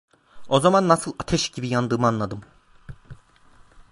O zaman nasıl ateş gibi yandığımı anladım.